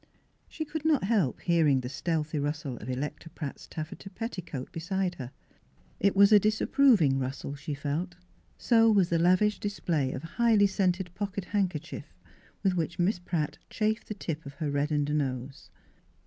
She could not help hearing the stealthy rustle of Electa Pratt's taffeta petticoat beside her. It was a disapproving rustle, she felt, so was the lavish display of highly scented [ 53 ] Mm Fhilura's Wedding Gown pocket handkerchief, with which Miss Pratt chafed the tip of her reddened nose.